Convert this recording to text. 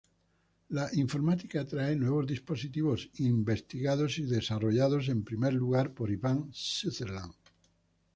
La informática trae nuevos dispositivos investigados y desarrollados en primer lugar por Ivan Sutherland.